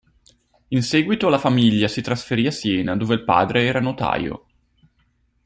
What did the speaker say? In seguito la famiglia si trasferì a Siena dove il padre era notaio.